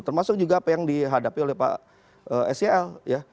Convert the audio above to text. termasuk juga apa yang dihadapi oleh pak sel ya